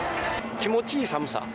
気持ちいい寒さ。